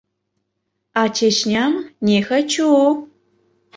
А Чечням — не хочу!